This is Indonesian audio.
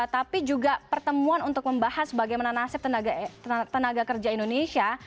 tapi juga pertemuan untuk membahas bagaimana nasib tenaga kerja indonesia